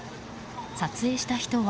撮影した人は。